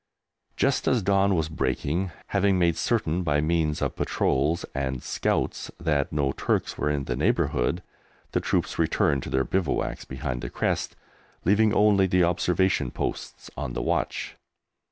Just as dawn was breaking, having made certain by means of patrols and scouts that no Turks were in the neighbourhood, the troops returned to their bivouacs behind the crest, leaving only the Observation Posts on the watch.